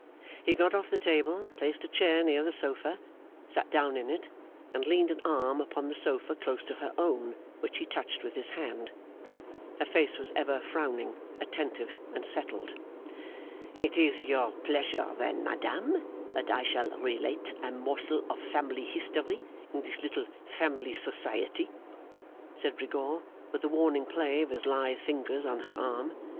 He got off the table, placed a chair near the sofa, sat down in it, and leaned an arm upon the sofa close to her own, which he touched with his hand. Her face was ever frowning, attentive, and settled. 'It is your pleasure then, madame, that I shall relate a morsel of family history in this little family society,' said Rigaud, with a warning play of his lithe fingers on her arm.